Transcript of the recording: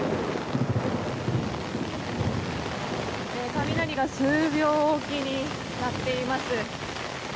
雷が数秒おきに鳴っています。